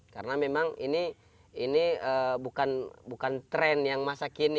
karena memang ini bukan tren yang masa kini